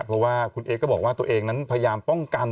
เพราะว่าคุณเอ๊ก็บอกว่าตัวเองนั้นพยายามป้องกัน